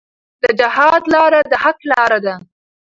د جهاد لاره د حق لاره ده.